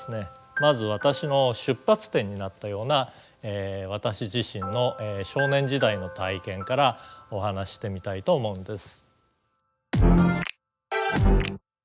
まず私の出発点になったような私自身の少年時代の体験からお話ししてみたいと思うんです。